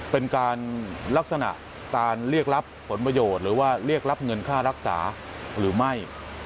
เป็นการลักษณะการเรียกรับผลประโยชน์หรือว่าเรียกรับเงินค่ารักษาหรือไม่